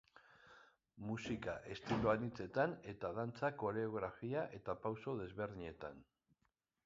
Musika estilo anitzetan, eta dantza koreografia eta pauso desberdinetan.